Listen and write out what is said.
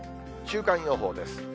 週間予報です。